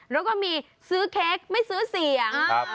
แล้วก็มีซื้อเค้กไม่ซื้อเสียง